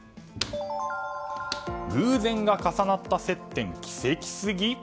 偶然が重なった接点キセキすぎ？